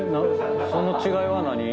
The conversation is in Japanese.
その違いは何？